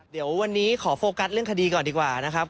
เดี๋ยววันนี้ขอโฟกัสเรื่องคดีก่อนดีกว่านะครับ